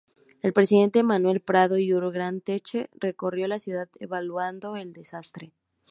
El presidente Manuel Prado y Ugarteche recorrió la ciudad evaluando el desastre.